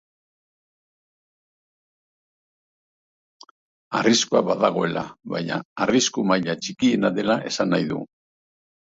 Arriskua badagoela baina arrisku-maila txikiena dela esan nahi du.